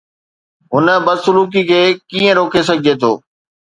هن بدسلوڪي کي ڪيئن روڪي سگهجي ٿو؟